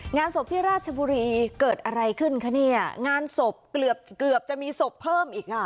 งานศพที่ราชบุรีเกิดอะไรขึ้นคะเนี่ยงานศพเกือบเกือบจะมีศพเพิ่มอีกอ่ะ